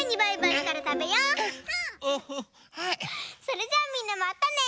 それじゃあみんなまたね！